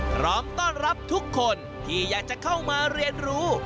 พร้อมต้อนรับทุกคนที่อยากจะเข้ามาเรียนรู้